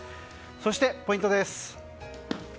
そして、ポイントです。